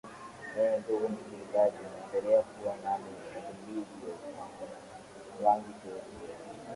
eeh ndugu msikilizaji unaendelea kuwa nami edmilo wangi cheli